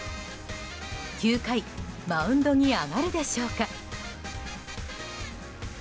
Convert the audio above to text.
９回マウンドに上がるでしょうか。